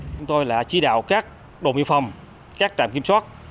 chúng tôi là tri đạo các đội biên phòng các trạm kiểm soát